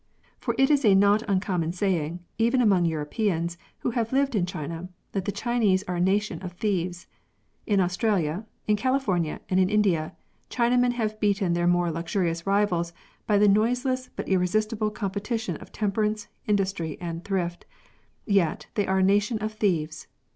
For it is a not uncommon saying, even among Europeans who have lived in China, that the Chinese are a nation of thieves. In Australia, in California, and in India, Chinamen have beaten their more luxurious rivals by the noiseless but irresistible competition of temperance, industry, and thrift : yet they are a nation of thieves.